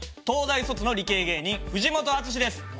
東大卒の理系芸人藤本淳史です。